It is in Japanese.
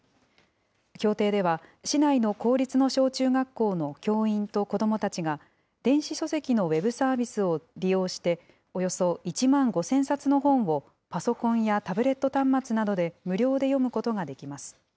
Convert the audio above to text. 協定では、市内の公立の小中学校の教員と子どもたちが、電子書籍のウェブサービスを利用して、およそ１万５０００冊の本をパソコンやタブレット端末などで無料で読むことができます。